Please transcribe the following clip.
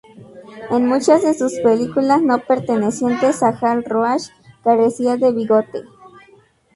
En muchas de sus películas no pertenecientes a Hal Roach carecía de bigote.